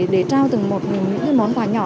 để trao từng một món quà nhỏ